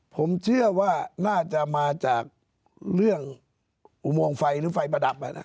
ผมเชื่อว่าน่าจะมาจากเรื่องอุโมงไฟหรือไฟประดับ